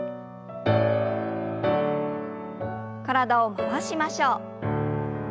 体を回しましょう。